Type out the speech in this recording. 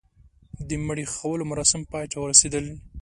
د مړي ښخولو مراسم پای ته ورسېدل.